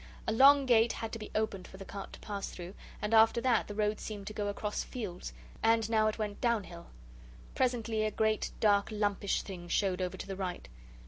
A long gate had to be opened for the cart to pass through, and after that the road seemed to go across fields and now it went down hill. Presently a great dark lumpish thing showed over to the right.